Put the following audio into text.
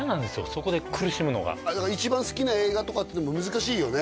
そこで苦しむのが一番好きな映画とかっていっても難しいよね